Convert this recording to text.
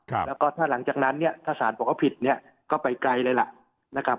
แล้วก็ถ้าหลังจากนั้นถ้าศาลบอกว่าผิดก็ไปไกลเลยล่ะ